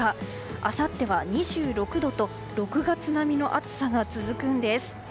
あさっては２６度と６月並みの暑さが続くんです。